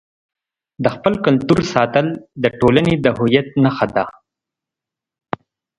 د خپل کلتور ساتل د ټولنې د هویت نښه ده.